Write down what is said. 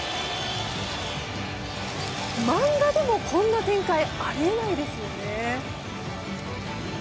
漫画でもこんな展開あり得ないですよね。